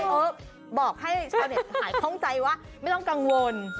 เออบอกให้ชาวเน็ตหายคล่องใจว่าไม่ต้องกังวล